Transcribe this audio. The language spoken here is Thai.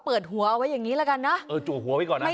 เปิดหัวเอาไว้อย่างนี้ละกันนะ